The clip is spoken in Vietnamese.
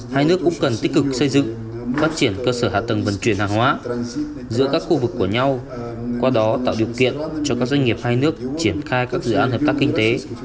hai nước cũng cần tích cực xây dựng phát triển cơ sở hạ tầng vận chuyển hàng hóa giữa các khu vực của nhau qua đó tạo điều kiện cho các doanh nghiệp hai nước triển khai các dự án hợp tác kinh tế